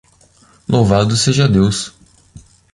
Louvado seja Deus!